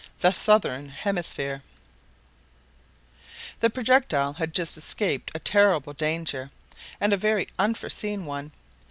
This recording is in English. THE SOUTHERN HEMISPHERE The projectile had just escaped a terrible danger, and a very unforseen one.